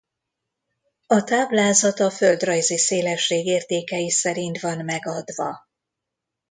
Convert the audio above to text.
A táblázat a földrajzi szélesség értékei szerint van megadva.